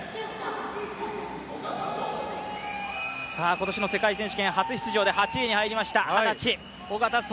今年の世界選手権、初出場で８位に入りました、二十歳、小方颯。